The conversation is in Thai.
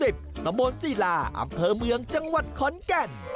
ตำบลศิลาอำเภอเมืองจังหวัดขอนแก่น